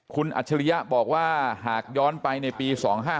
คุณอัจฉริยะบอกว่าหากย้อนไปในปี๒๕๕๙